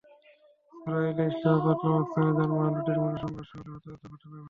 সরাইলের ইসলামাবাদ নামক স্থানে যানবাহন দুটির মধ্যে সংঘর্ষ হলে হতাহতের ঘটনা ঘটে।